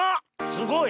すごい！